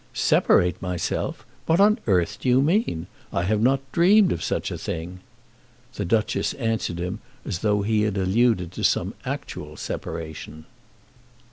"Separate myself! What on earth do you mean? I have not dreamed of such a thing." The Duchess answered him as though he had alluded to some actual separation.